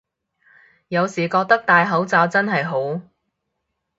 有時覺得戴口罩真係好